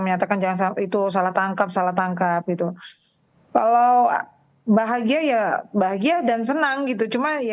menyatakan jangan sampai itu salah tangkap salah tangkap gitu kalau bahagia ya bahagia dan senang gitu cuma ya